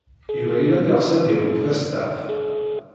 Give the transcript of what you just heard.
Yuba yella yeɣs ad yawi tastaɣt.